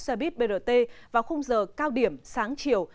xe buýt brt vào khung giờ cao điểm sáng chiều